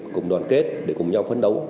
cùng đoàn kết để cùng nhau phấn đấu